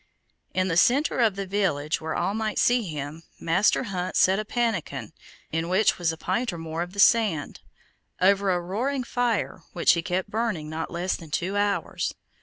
In the center of the village, where all might see him, Master Hunt set a pannikin, in which was a pint or more of the sand, over a roaring fire which he kept burning not less than two hours.